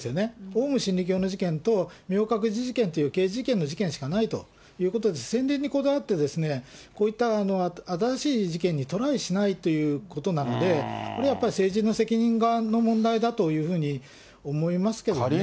オウム真理教の事件と事件という刑事事件の事例しかないということで、先例にこだわって、こういった新しい事件にトライしないということなので、これやっぱり、政治の責任の問題だというふうに思いますけどね。